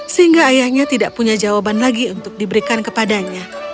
sehingga ayahnya tidak punya jawaban lagi untuk diberikan kepadanya